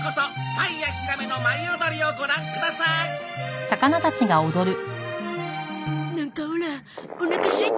「タイやヒラメの舞い踊りをご覧ください」なんかオラおなかすいてきちゃった。